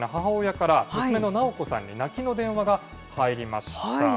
７９歳の母親から、娘のナオコさんに、泣きの電話が入りました。